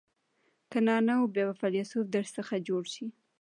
که نه نو بیا به فیلسوف در څخه جوړ شي.